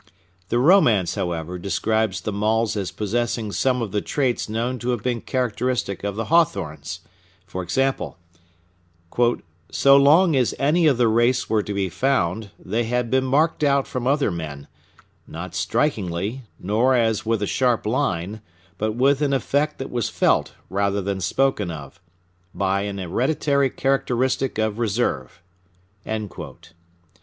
The romance, however, describes the Maules as possessing some of the traits known to have been characteristic of the Hawthornes: for example, "so long as any of the race were to be found, they had been marked out from other men—not strikingly, nor as with a sharp line, but with an effect that was felt rather than spoken of—by an hereditary characteristic of reserve."